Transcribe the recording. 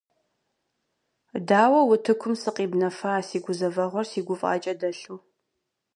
Дауэ утыкум сыкъибнэфа си гузэвэгъуэр си гуфӀакӀэ дэлъу?